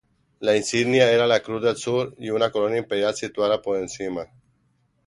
La insignia era la Cruz del Sur y una corona imperial, situada por encima.